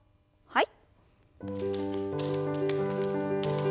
はい。